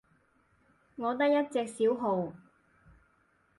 我得一隻小號